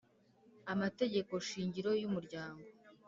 Amategekoshingiro y umuryango